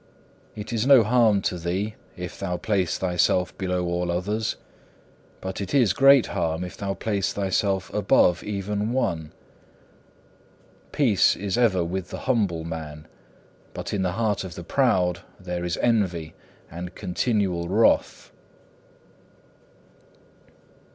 It is no harm to thee if thou place thyself below all others; but it is great harm if thou place thyself above even one. Peace is ever with the humble man, but in the heart of the proud there is envy and continual wrath.